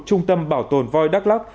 trung tâm bảo tồn voi đắk lắc